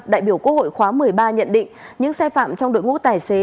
đại biểu quốc hội khóa một mươi ba nhận định những xe phạm trong đội ngũ tài xế